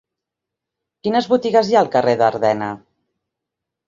Quines botigues hi ha al carrer d'Ardena?